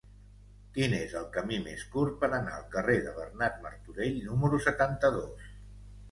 Quin és el camí més curt per anar al carrer de Bernat Martorell número setanta-dos?